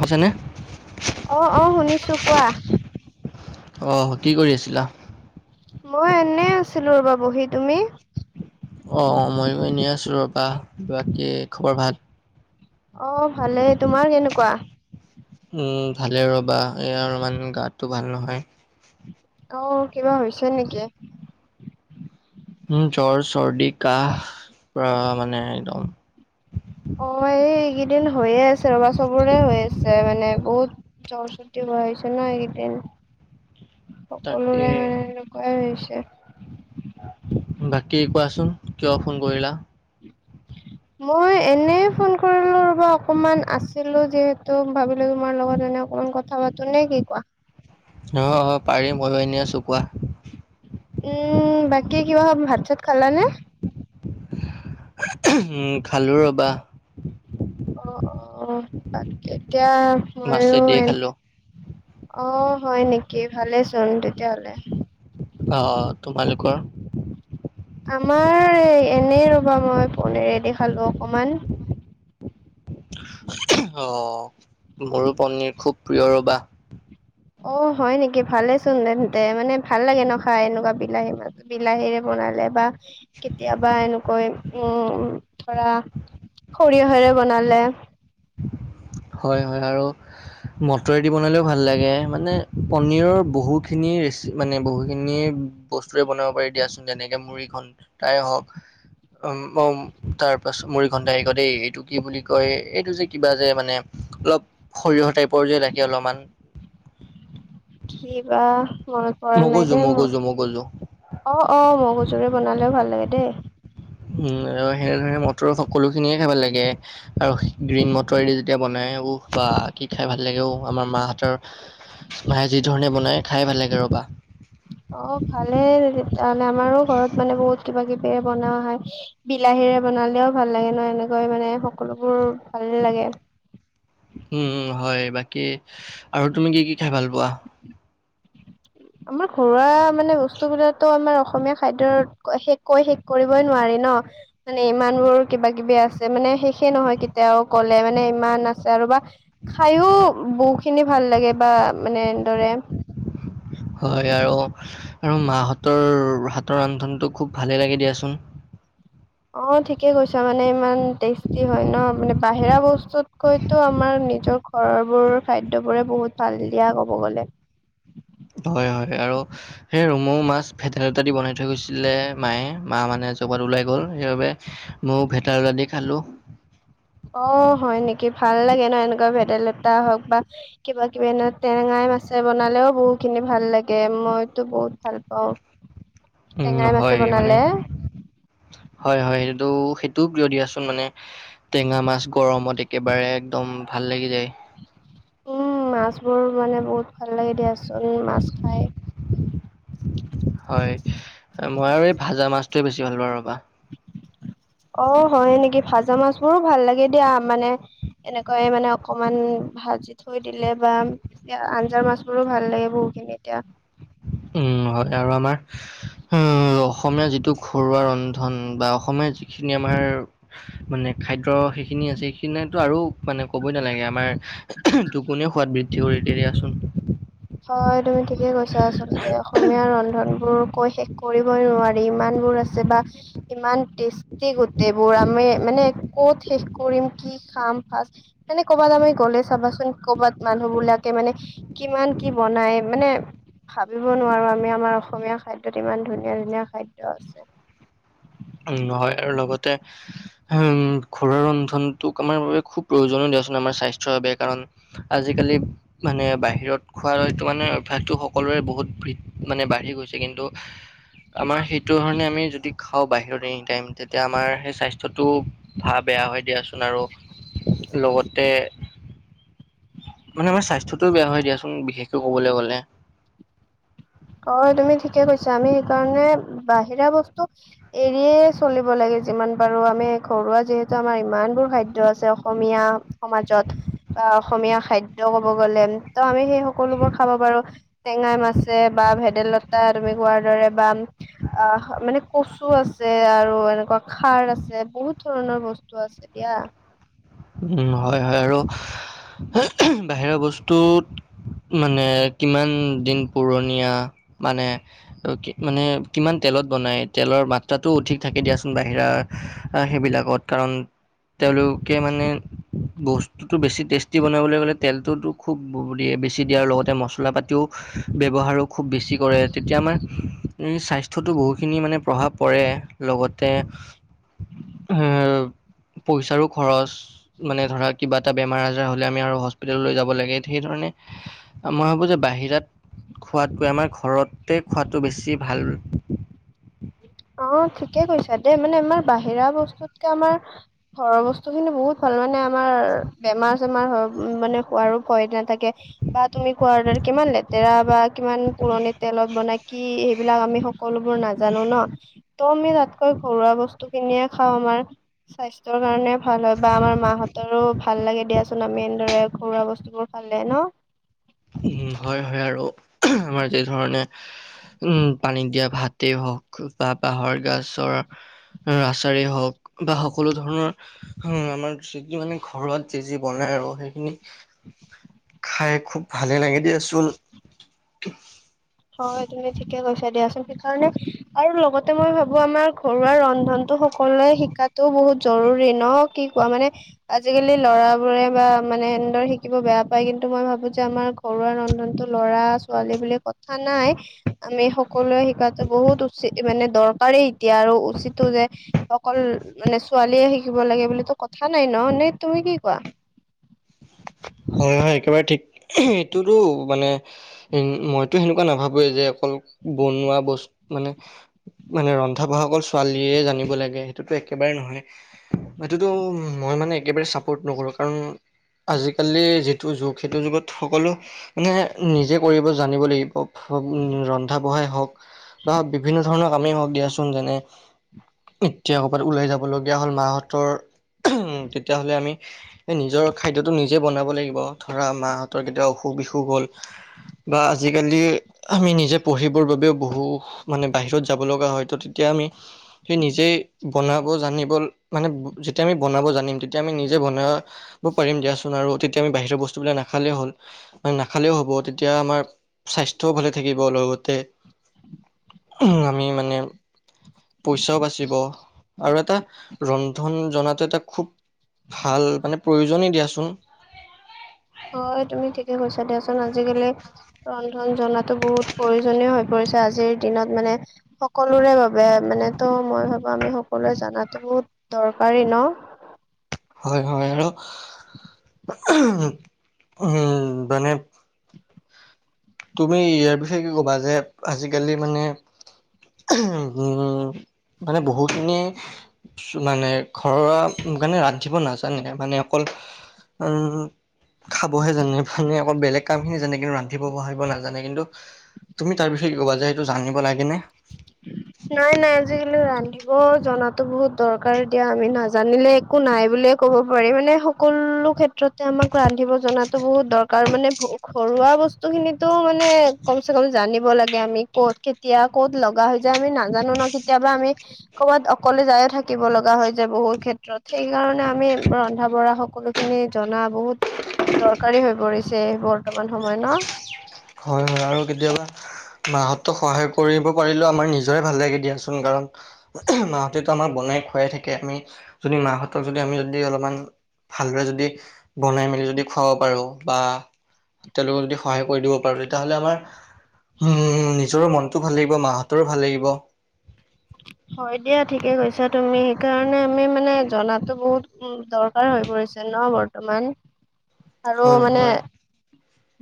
হৈছেনে। অ' অ' শুনিছো কোৱা। অ' কি কৰি আছিলা? মই এনে আছিলো ৰবা বহি তুমি? অ' মইয়ো এনেই আছো ৰবা, বাকী খবৰ ভাল। অ' ভালে। তোমাৰ কেনেকুৱা? উ্ ভালে ৰ'বা, এই অলমান গাতটো ভাল নহয়। অ' কিবা হৈছে নেকি? উম্ জ্বৰ, চৰ্দি, কাহ পোৰা মানে একদম। অ' এই এইকেইদিন হৈয়ে আছে ৰবা, চবৰে হৈ আছে মানে বহুত জ্বৰ, চৰ্দি হৈ হৈছে ন এইেইদিন। তাকে সকলোৰে মানে এনেকুৱাই হৈছে। বাকী কোৱাচোন কিয় ফোন কৰিলা? [unintelligible] মই এনে ফোন কৰিলো ৰব অকনমান আছিলো যিহেতু ভাবিলো তোমাৰ লগত এনে কম কথা পাতো নে কি কোৱা? অ, অ, পাৰিম মই এনে আছো কোৱা? উম বাকী কিবা ভাত চাত খালানে? উম, খালো ৰবা। অ, অ, তাকে এতিয়া ময়ো মাছেদিয়ে খালো। অ, হয় নেকি? ভালে চোন তেতিয়াহ'লে। অ, তোমালোকৰ? আমাৰ এনেই ৰবা মই পণৰেদি খালো অকমান। অ, মোৰো পনিৰ খুব প্ৰিয় ৰবা। অ, হয় নেকি ভালেচোন তেন্তে মানে ভাল লাগে নখাই এনেকুৱা বিলাহী মাজ, বিলাহীৰে বনালে বা কেতিয়াবা এনেকৈ উম, ধৰা সৰিয়হেৰে বনালে। হয়-হয় আৰু মটৰদি বনালেও ভাল লাগে, মানে পনীৰৰ বহুখিনি ৰেচি মানে বহুখিনি বস্তুৰে বনাব পাৰি দিয়াচোন যেনেকে মুড়ি ঘনতাই হওক। উম, অ, তাৰ পাছ মুৰি ঘণ্টাই আহ ক দেই এইটো কি বুলি কয় এইটো যে, কিবা যে মানে অলপ সৰিয়হৰ টাইপৰ যে লাগে অলপমান। কি বা মনত পৰা নাই মগজু দে মোৰ। মগজু মগজু অ, অ, মহুচহু বনালেও ভাল লাগে দেই। উম, সেনেধৰে মটৰ সকলো খিনিয়ে খাই ভাল লাগে। আৰু গ্ৰীণ মটৰ এৰি যেতিয়া বনাই বা কি খাই ভাল লাগেও আমাৰ মাহতৰ মায়ে যি ধৰণে বনাই খাই ভাল লাগে ৰবা। অ, ভালেলে আমাৰো ঘৰত মানে বহুত কিবা কিবি বনোৱা হয়। বিলাহীৰে বনালেও ভাল লাগে ন এনেকৈ মানে সকলোবোৰ ভালে লাগে। হয় বাকী আৰু তুমি কি কি খাই ভাল পোৱা? আমাৰ ঘৰুৱা মানে বস্তুবলাকো আমাৰ অসমীয়া খাদ্য শেষ কৈ শেষ কৰিবই নোৱাৰি ন। মানে ইমান বোৰ কিবা কিবি আছে মানে শেষে নহয় কেতিয়াও কল, মানে ইমান আছে আৰু বা। খাইও বহু খিনি ভাল লাগে বা মানে এনেদৰে। হয় আৰু আৰু মাহঁতৰ হাতৰ ৰান্ধনতটো খুব ভালে লাগে দিয়াচোন। অ, ঠিকে কৈছা মানে ইমান টেষ্টি হয় ন। মানে বাহিৰা বস্তুত হয়তো আমাৰ নিজৰ ঘৰবোৰ খাদ্যবোৰে বহুত ভাল দিয়া ক'ব গ'লে। হয়-হয় আৰু। সেই ৰৰুমৌ মাছ ভেটেন এটা দি বনাই থৈ গৈছিলে মায়ে মা মানে জপাত ওলাই গল সেইবাবে। ময়ো ভেতাৰলদি খালোঁ। অ হয় নেকি ভাল লাগে ন এনেকুৱা ভেদাইলতা হওক বা, কিবা কিবি এনে টেঙাই মাছে বনালেও বহুত খিনি ভাল লাগে মইতো বহুত ভাল পাওঁ। উম, টেঙাই মাছে হয় মানে বনালে হয়-হয়, সেইটো-সেইটো কিয় দিয়াচোন মানে, টেঙা মাছ গৰমত একেবাৰে একদম ভাল লাগি যায়। উম, মাছবোৰ মানে বহুত ভাল লাগে দিয়াচোন মাছ খাই। হয়, মই আৰু এই ভাজা মাছটোৱে বেছি ভাল পাওঁ ৰবা। অ, হয় নেকি? ভাজা মাছ বোৰো ভাল লাগে দিয়া মানে এনেকুৱাইে মানে অকমান ভাজি থৈ দিলে বা। এতিয়া আঞ্জাৰ মাছবোৰো ভাল লাগে বহুখিনি এতিয়া, উম, হয় আৰু আমাৰ। উম, অসমীয়া যিটো ঘৰুৱা ৰন্ধন বা অসমীয়া যিখিনি আমাৰ মানে খাদ্য সেইখিনি আছে সেইখিনো আৰু মানে ক'বই নালাগে আমাৰ, দুগুনে সোৱাদ বৃদ্ধি কৰি দিয়াচোন। হয়, তুমি ঠিকে কৈছা, আচলতে অসমীয়া ৰন্ধন বোৰ কৈ শেষ কৰিবই নোৱাৰি, ইমান বোৰ আছে বা ইমান টেষ্টি গোটেইবোৰ, আমি মানে ক'ত শেষ কৰিম, কি খাম ফাচ মানে কৰ'বাত আমি গ'লে চাবাচোন, ক'ৰবাত মানুহবিলাকে মানে কিমান কি বনাই, মানে ভাবিব নোৱাৰো আমি, আমাৰ অসমীয়া খাদ্যত ইমান ধুনীয়া, ধুনীয়া খাদ্য আছে। উম, নহয়, আৰু লগতে উম। ঘৰুৱা ৰন্ধনটোক আমাৰ বাবে খুব প্ৰয়োজন দিয়াচোন, আমাৰ স্বাস্থ্যৰ বাবে কাৰণ আজিকালি মানে বাহিৰত খোৱাটো সকলোৰে বহুত মানে বাঢ়ি গৈছে কিন্তু। [inaudible] আমাৰ সেইটো ধৰণে আমি যদি খাওঁ বাহিৰত এনি টাইম, তেতিয়া আমাৰ সেই স্বাস্থ্যটো ভাল বেয়া হৈ দিয়াচোন আৰু, লগতে মানে আমাৰ স্বাস্থ্যটো বেয়া হয় দিয়াচোন, বিশেষকৈ ক'বলৈ গ'লে। অ', তুমি ঠিকে কৈছা, আমি সেইকাৰণে বাহিৰা বস্তু এৰিয়ে চলিব লাগে, যিমান পাৰো আমি ঘৰুৱা যিহেতু আমাৰ ইমানবোৰ খাদ্য আছে অসমীয়া। সমাজত, বা অসমীয়া খাদ্য ক'ব গ'লে, ত' আমি সেই সকলোবোৰ খাব পাৰো। টেঙাই মাছে, বা ভেদাইলতা তুমি কোৱাৰ দৰে বা আহ, মানে কচু আছে, আৰু এনেকুৱা খাৰ আছে বহুত ধৰণৰ বস্তু আছে। এতিয়া উম, হয়, হয়। আৰু বাহিৰা বস্তুত মানে, কিমান দিন পুৰণীয়া, মানে মানে কিমান তেলত বনায়, তেলৰ মাত্ৰাটো অধিক থাকে দিয়াচোন, বাহিৰা সেইবিলাকত। কাৰণ তেওঁলোকে মানে বস্তু তো, বেছি টেষ্টি বনাবলৈ গ'লে তেলটোতো খুব দিয়ে, বেছি দিয়াৰ লগতে মছলা পাতিও ব্যৱহাৰো খুব বেছি কৰে, তেতিয়া আমাৰ স্বাস্থ্যতো বহুখিনি মানে প্ৰভাৱ পৰে। লগতে পইচাৰো খৰচ। মানে ধৰা কিবা এটা বেমাৰ আজাৰ হ'লে আমি আৰু হস্পিতাল লৈ যাব লাগে, সেই ধৰণে মই ভাবোঁ যে, বাহিৰত খোৱাটোৱে আমাৰ ঘৰতে খোৱাটো বেছি ভাল। অ', ঠিকে কৈছা দেই, মানে আমাৰ বাহিৰা বস্তুতকে আমাৰ ঘৰৰ বস্তু খিনি বহুত ভাল, মানে আমাৰ বেমাৰ-চেমাৰ মানে হোৱাৰো ভয় নাথাকে। বা তুমি কোৱাৰ কিমান লেতেৰা বা কিমান পুৰণি তেলত বনাই কি বিলাক আমি সকলোবোৰ নাজানো ন, ত' আমি তাতকৈ ঘৰুৱা বস্তু খিনিয়ে খাওঁ, আমাৰ স্বাস্থ্যৰ কাৰণে ভাল হয়, বা আমাৰ মাহঁতৰো ভাল লাগে দিয়াচোন, আমি এনেদৰে ঘৰুৱা বস্তুবোৰ খালে ন'। উম, হয়, হয়, আৰু আমাৰ যি ধৰণে উম, পানী দিয়া ভাতেই হওঁক, বা বাঁহৰ গাছৰ আচাৰে হওঁক বা, সকলো ধৰণৰ আমাৰ মানে ঘৰত যি, যি বনাই আৰু, সেইখিনি খাই খুব ভালে লাগে দিয়াচোন। হয়, তুমি ঠিকে কৈছা দিয়াচোন, সেইকাৰণে আৰু লগতে মই ভাবো, আমাৰ ঘৰুৱা ৰন্ধনটো সকলোৱে শিকাতো বহুত জৰুৰী ন'। কি কোৱা, মানে আজিকালি ল'ৰাবোৰে বা মানে, সেনেদৰে শিকিব বেয়া পায়, কিন্তু মই ভাবো যে আমাৰ ঘৰুৱা ৰন্ধনটো ল'ৰা, ছোৱালী বুলি ক থা নাই, আমি সকলোৱে শিকাতো বহুত উচিত, মানে দৰকাৰেই। এতিয়া আৰু উচিতো যে অকল মানে, ছোৱালীয়ে শিকিব লাগে বুলিটো কথা নাই ন', নে, তুমি কি কোৱা? হয়, হয়, একেবাৰে ঠিক, এইটোটো মানে উম, মইতো সেনেকুৱা নাভাবোৱেই যে, অকল বনোৱা বস্তু মানে মানে ৰন্ধা-বঢ়া অকল ছোৱালীয়ে জানিব লাগে সেইটোতো একেবাৰে নহয়। সেইটোতো মই মানে একেবাৰে চাপৰ্ট নকৰো। কাৰণ আজিকালি যিটো যুগ সেইটো যুগত সকলো এনে নিজে কৰিব জানিব লাগিব, ৰন্ধা-বঢ়াই হওক। বা বিভিন্ন ধৰণৰ কামেই হওক দিয়াচোন। যেনে এতিয়া ক'ৰবাত ওলাই যাব লগগীয়া হ'ল মাহঁতৰ উ তেতিয়াহ'লে আমি এই নিজৰ খাদ্যটো নিজে বনাব লাগিব। ধৰা মাহঁতৰ কেতিয়াবা অসুখ-বিসুখ হ'ল। বা আজিকালি আমি নিজে পঢ়িবৰ বাবেও বহু মানে বাহিৰত যাব লগা হয় ত' তেতিয়া আমি সেই নিজে বনাব জানিব মানে যেতিয়া আমি বনাব জানিম তেতিয়া আমি নিজে বনোৱা ব পাৰিম দিয়াচোন। আৰু তেতিয়া আমি বাহিৰৰ বস্তুবিলাক নাখালেও হ'ল। [unintelligible] নাখালেও হ'ব। তেতিয়া আমাৰ স্বাস্থ্যও ভালে থাকিব। লগতে আমি মানে পইচাও বাচিব। আৰু এটা ৰন্ধন জনাতো এটা খুব ভাল মানে প্ৰয়োজনে দিয়াচোন। হয়, তুমি ঠিকে কৈছা। দিয়াচোন আজিকালি ৰন্ধন জনাতো বহুত প্ৰয়োজনীয় হৈ পৰিছে আজিৰ দিনত মানে। সকলোৰে বাবে মানে তো মই ভাবো আমি সকলোৱে জানাতো বহুত দৰকাৰী ন। হয় হয়। আৰু [inaudible] উম, মানে তুমি ইয়াৰ বিষয়ে কি ক'বা যে আজিকালি মানে উম, মানে বহুখিনি মানে ঘৰুৱা কাৰনে ৰান্ধিব নাজানে। মানে অকল উম, খাবহে জানে। মানে অকল বেলেগ কামখিনি জানে। কিন্তু ৰান্ধিব-বাঢ়ি ব নাজানে। কিন্তু তুমি তাৰ বিষয়ে কি ক'বা যে এইটো জানিব লাগে নে? নাই নাই, আজিকালি ৰান্ধিব জনাতো বহুত দৰকাৰ দিয়া। আমি নাজানিলে একো নাই বুলিয়ে ক'ব পাৰি। মানে সকলো ক্ষেত্ৰতে আমাক ৰান্ধিব জনাতো বহুত দৰকাৰ। মানে ভো ঘৰুৱা বস্তুখিনিতো মানে কমচে কম জানিব লাগে। আমি ক'ত কেতিয়া ক'ত লগা হৈ যায় আমি নাজানো ন। কেতিয়াবা আমি কৰ'বাত অকলে যায়ে থাকিব লগা হৈ যায় বহুত ক্ষেত্ৰত। সেই কাৰণে আমি ৰন্ধা-বঢ়া সকলো খিনি জনা বহুত দৰকাৰী হৈ পৰিছে বৰ্তমান সময়ত ন? হয় হয়। আৰু কেতিয়াবা মাহঁতক সহায় কৰিব পাৰিলেও আমাৰ নিজৰে ভাল লাগে দিয়াচোন। কাৰণ মাহঁতেতো আমাক বনাই খুৱাই থাকে। আমি যদি মাহঁতক যদি আমি যদি অলপমান ভালদৰে যদি বনাই মেলি যদি খুৱাব পাৰো। বা তেওঁলোকক যদি সহায় কৰি দিব পাৰোঁ, তেতিয় হ'লে আমাৰ উম, নিজৰো মনটো ভাল লাগিব, মাহঁতৰো ভাল লাগিব। হয় দিয়া। ঠিকে কৈছা তুমি। সেইকাৰণে আমি মানে জনাতো বহুত উ দৰ কাৰ হৈ পৰিছে ন বৰ্তমান। আৰু হয় মানে হয়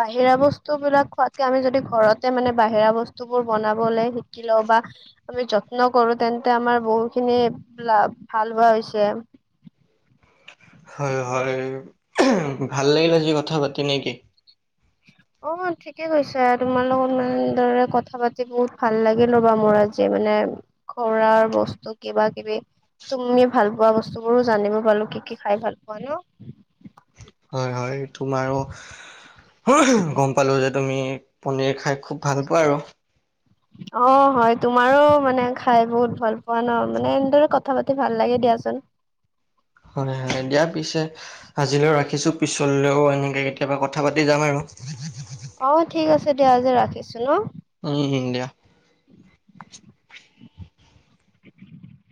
বাহিৰা বস্তুবিলাক খোৱাতকে আমি যদি ঘৰতে মানে বাহিৰা বস্তুবোৰ বনাবলে শিকি লওঁ বা আমি যত্ন কৰো, তেন্তে আমাৰ বহুতখিনি লাভ ভাল হোৱা হৈছে। হয় হয়। ভাল লাগিল আজি কথা পাতি নে কি? অ'। ঠিকে কৈছে তোমাৰ লগত ইমান দৰে কথা পাতি বহুত ভাল লাগিল ৰ'বা মোৰ আজি মানে। ঘৰুৱা বস্তু, কিবা-কিবি। তুমি ভাল পোৱা বস্তুবোৰো জানিব পালো কি কি খাই ভাল পোৱা ন। হয় হয়। তোমাৰো গম পালো যে তুমি পনীৰ খাই খুব ভাল পোৱা আৰু। [inaudible] অ', হয়। তোমাৰো মানে খাই বহুত ভাল পোৱা ন। মানে এনেদৰে কথা পাতি ভাল লাগে দিয়াচোন। দিয়াৰ পিছে আজিলৈও ৰাখিছোঁ পিছলেও এনেকে কেতিয়াবা কথা পাতি যাম আৰু অ', ঠিক আছে দিয়া আজি ৰাখিছোঁ ন। উম দিয়া।